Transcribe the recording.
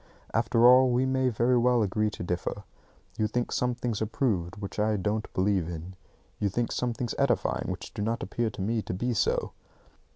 After all, we may very well agree to differ. You think some things are proved which I don't believe in. You think some things edifying which do not appear to me to be so.